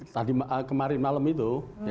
tadi kemarin malam itu